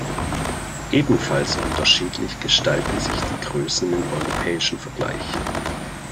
Ebenfalls unterschiedlich gestalten sich die Größen im europäischen Vergleich.